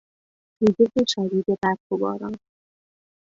ریزش شدید برف و باران